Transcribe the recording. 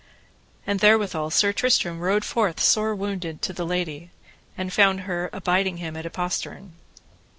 And therewithal Sir Tristram rode forth sore wounded to the lady, and found her abiding him at a postern.